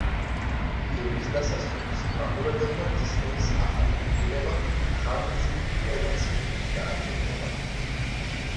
ფილმის დასასრულს მაყურებელმა დისნეის ახალი ქმნილება ხანგრძლივი ოვაციებით დააჯილდოვა.